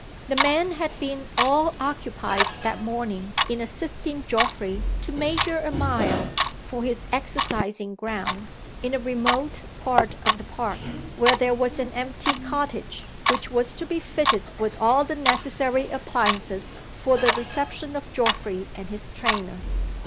The men had been all occupied that morning in assisting Geoffrey to measure a mile, for his exercising ground, in a remote part of the park where there was an empty cottage, which was to be fitted with all the necessary appliances for the reception of Geoffrey and his trainer.